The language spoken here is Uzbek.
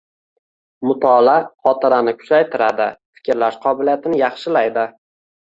Mutolaa xotirani kuchaytiradi, fikrlash qobiliyatini yaxshilaydi.